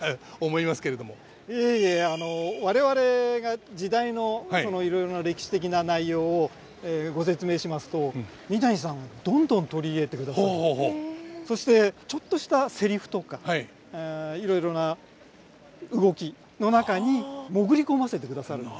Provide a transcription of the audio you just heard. いえいえ我々が時代のそのいろいろな歴史的な内容をご説明しますと三谷さんどんどん取り入れてくださってそしてちょっとしたセリフとかいろいろな動きの中に潜り込ませてくださるので。